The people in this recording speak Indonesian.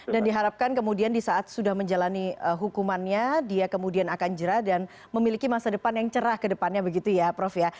dan diharapkan kemudian di saat sudah menjalani hukumannya dia kemudian akan jera dan memiliki masa depan yang cerah ke depannya begitu ya prof ya